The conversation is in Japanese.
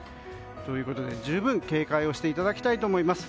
ということで十分警戒をしていただきたいと思います。